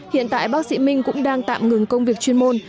hiện tại bác sĩ minh cũng đang tạm ngừng công việc chuyên môn